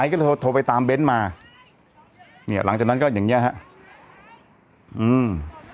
ก็โทรโทรไปตามเบ้นมาเนี่ยหลังจากนั้นก็อย่างเงี้ยฮะอืม